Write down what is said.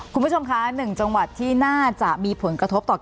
คุณผู้ชมค่ะหนึ่งจังหวัดที่น่าจะมีผลกระทบต่อเชียงใหม่